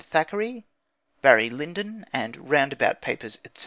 THACKERAY, Barry Lyndon, and Roundabout Papers, etc.